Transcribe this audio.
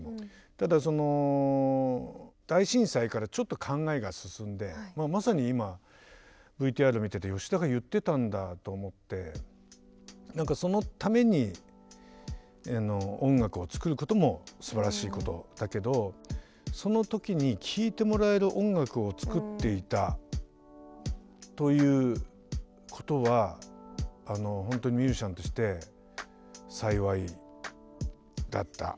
ただその大震災からちょっと考えが進んでまさに今ＶＴＲを見てて吉田が言ってたんだと思って何かそのために音楽を作ることもすばらしいことだけどその時に聴いてもらえる音楽を作っていたということはほんとミュージシャンとして幸いだった。